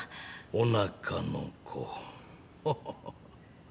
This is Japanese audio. おなかの子ほお。